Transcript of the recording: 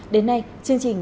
đến nay chương trình